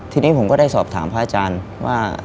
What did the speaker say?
ทีนี้ผมก็ได้สอบถามพระอาจารย์ว่า